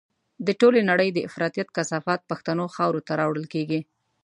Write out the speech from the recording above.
د ټولې نړۍ د افراطيت کثافات پښتنو خاورو ته راوړل کېږي.